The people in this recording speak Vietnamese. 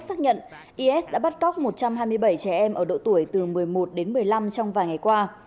đảng dân chủ người quốc xác nhận is đã bắt cóc một trăm hai mươi bảy trẻ em ở độ tuổi từ một mươi một đến một mươi năm trong vài ngày qua